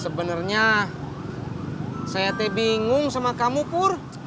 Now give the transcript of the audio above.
sebenernya saya bingung sama kamu pur